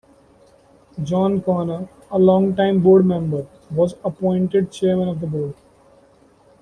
Joan Konner, a long time board member, was appointed Chairman of the Board.